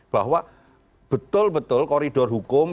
bahwa betul betul koridor hukum